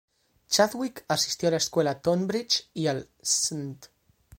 Chadwick asistió a la escuela Tonbridge y al St.